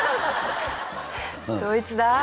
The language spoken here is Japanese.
どいつだ？